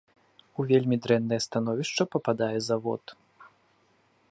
У вельмі дрэннае становішча пападае завод.